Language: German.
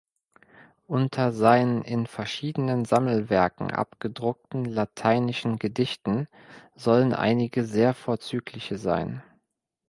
Unter seinen in verschiedenen Sammelwerken abgedruckten lateinischen Gedichten sollen einige sehr vorzügliche sein.